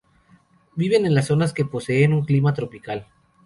Viven en las zonas que poseen un clima tropical.